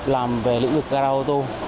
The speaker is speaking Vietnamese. làm về lĩnh vực car auto